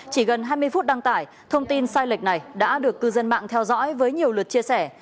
chỉ gần hai mươi phút đăng tải thông tin sai lệch này đã được cư dân mạng theo dõi với nhiều lượt chia sẻ